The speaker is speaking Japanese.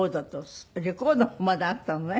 レコードもまだあったのね。